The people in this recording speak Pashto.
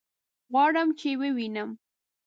غواړم چې ويې وينم.